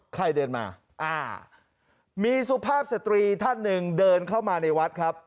ใครเดินมาอ่ามีสุภาพสตรีท่านหนึ่งเดินเข้ามาในวัดครับ